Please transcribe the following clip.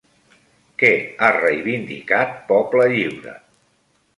Què ha reivindicat Poble Lliure?